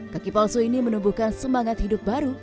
kaki palsu ini menumbuhkan semangat hidup baru